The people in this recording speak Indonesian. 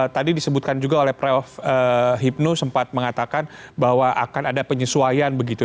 tadi disebutkan juga oleh prof hipnu sempat mengatakan bahwa akan ada penyesuaian begitu